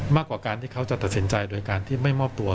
มากกว่าการที่เขาจะตัดสินใจโดยการที่ไม่มอบตัว